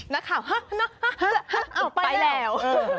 นักข่าวฮะเอาไปแล้ว